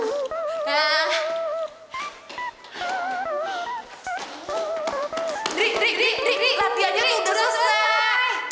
ndri ndri ndri latihannya udah selesai